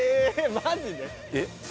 マジで？